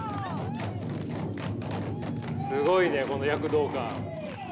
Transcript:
すごいねこの躍動感。